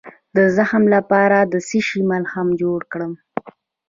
د زخم لپاره د څه شي ملهم جوړ کړم؟